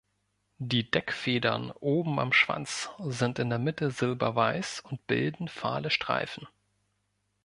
Die Deckfedern oben am Schwanz sind in der Mitte silberweiß und bilden fahle Streifen.